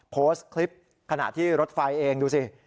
โพสต์คลิปขณะที่รถไฟเองดูสิ